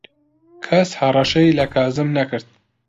کەس هەڕەشەی لە کازم نەکرد.